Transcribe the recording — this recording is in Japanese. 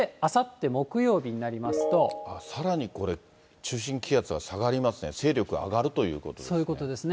そして、さらにこれ、中心気圧が下がりますね、勢力上がるということですね。